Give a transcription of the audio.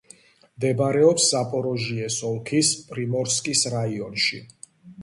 მდებარეობს ზაპოროჟიეს ოლქის პრიმორსკის რაიონში.